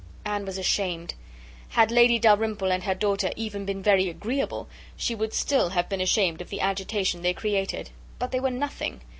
Anne was ashamed. Had Lady Dalrymple and her daughter even been very agreeable, she would still have been ashamed of the agitation they created, but they were nothing.